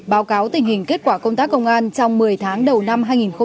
báo cáo tình hình kết quả công tác công an trong một mươi tháng đầu năm hai nghìn hai mươi ba